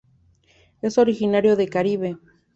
Es originario del Caribe.